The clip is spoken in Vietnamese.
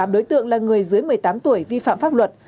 năm mươi tám đối tượng là người dưới một mươi tám tuổi vi phạm pháp luật